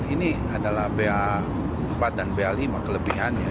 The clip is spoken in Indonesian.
ini adalah ba empat dan ba lima kelebihannya